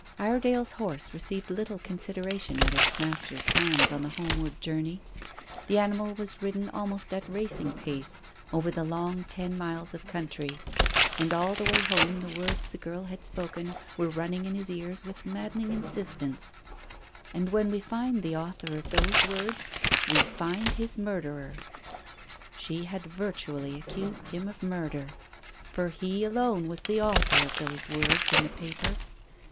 Iredale's horse received little consideration at its master's hands on that homeward journey. The animal was ridden almost at racing pace over the long ten miles of country. And all the way home the words the girl had spoken were running in his ears with maddening insistence "And when we find the author of those words we find his murderer." She had virtually accused him of murder. For he alone was the author of those words in the paper.